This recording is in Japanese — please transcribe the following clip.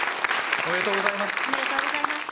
おめでとうございます。